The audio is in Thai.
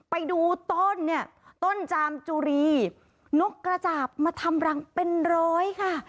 ไปดูต้นเนี่ยต้นจามจุรีนกกระจาบมาทำรังเป็นร้อยค่ะ